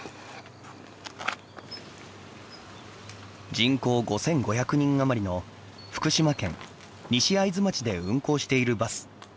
人口５５００人余りの福島県西会津町で運行しているバス。